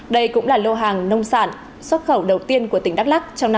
đây cũng là lô hàng nông sản xuất khẩu đầu tiên của tỉnh đắk lắc trong năm hai nghìn hai mươi